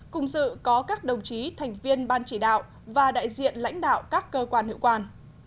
cùng dự có các đồng chí thành viên ban chỉ đạo và đại diện lãnh đạo các cơ quan hữu quan